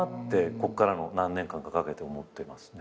こっからの何年間かかけて思ってますね。